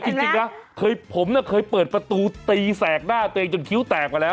จริงนะผมเคยเปิดประตูตีแสกหน้าตัวเองจนคิ้วแตกมาแล้ว